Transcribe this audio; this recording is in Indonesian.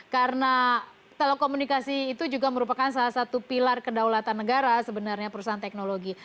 karena telekomunikasi itu juga merupakan salah satu pilar kedaulatan negara sebenarnya perusahaan teknologi